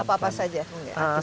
apa apa saja mungkin